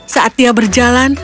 saat ia berjalan